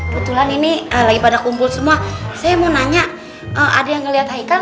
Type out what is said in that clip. kebetulan ini lagi pada kumpul semua saya mau nanya ada yang ngeliat haikal